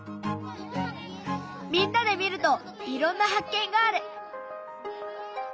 みんなで見るといろんな発見がある！